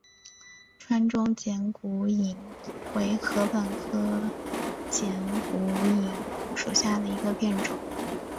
川中剪股颖为禾本科剪股颖属下的一个变种。